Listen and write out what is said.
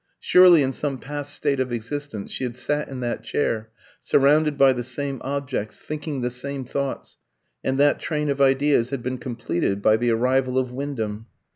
Surely in some past state of existence she had sat in that chair, surrounded by the same objects, thinking the same thoughts, and that train of ideas had been completed by the arrival of Wyndham.